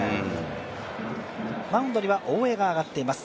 マウンドには大江が上がっています。